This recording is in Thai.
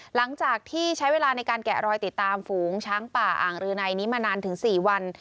หลังจากที่ใช้เวลาในการแกะรอยติดตามฝูงช้างป่าอ่างรือในนี้มานานถึง๔วัน